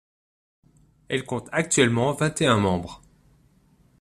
Elle compte actuellement vingt et un membres.